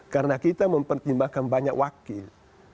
karena kita mempertimbangkan banyak wakil